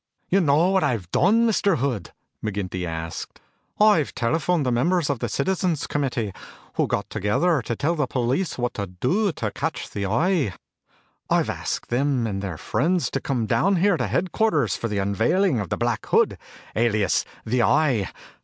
"You know what I've done, Mr. Hood?" McGinty asked. "I've telephoned the members of the citizens' committee who got together to tell the police what to do to catch the Eye. I've asked them and their friends to come down here to headquarters for the unveiling of Black Hood, alias the Eye.